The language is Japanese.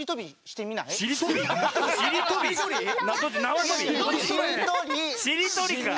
しりとりか。